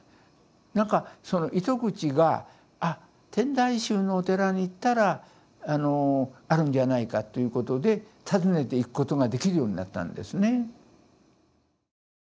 何かその糸口が天台宗のお寺に行ったらあるんじゃないかということで訪ねていくことができるようになったんですね。